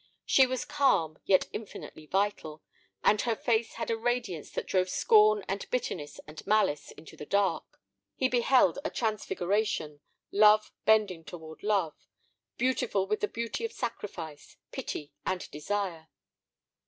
She was calm yet infinitely vital, and her face had a radiance that drove scorn and bitterness and malice into the dark. He beheld a transfiguration—love bending toward love, beautiful with the beauty of sacrifice, pity, and desire.